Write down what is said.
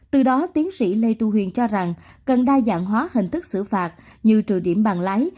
từ đó tiến sĩ lê tu huyền cho rằng cần đa dạng hóa hình thức xử phạt như trừ điểm bằng lái